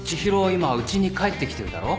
今うちに帰ってきてるだろ？